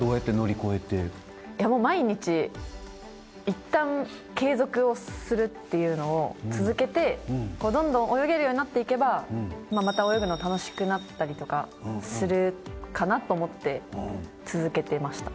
毎日いったん継続をするっていうのを続けてどんどん泳げるようになっていけばまた泳ぐの楽しくなったりとかするかなと思って続けてました。